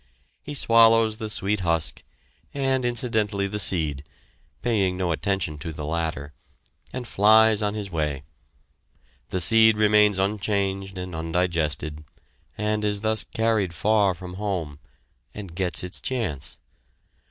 He swallows the sweet husk, and incidentally the seed, paying no attention to the latter, and flies on his way. The seed remains unchanged and undigested, and is thus carried far from home, and gets its chance.